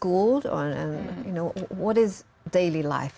kehidupan sehari hari adalah